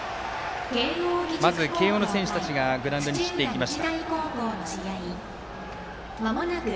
まず、慶応の選手たちがグラウンドに散っていきました。